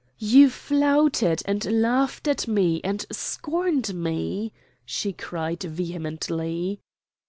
"You flouted and laughed at me and scorned me," she cried vehemently.